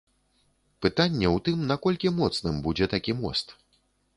Пытанне ў тым, наколькі моцным будзе такі мост.